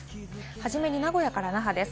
初めに名古屋から那覇です。